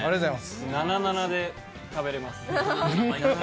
７、７で食べられます。